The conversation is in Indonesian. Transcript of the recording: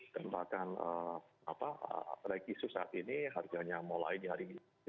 dan bahkan rekisu saat ini harganya mulai di hari ini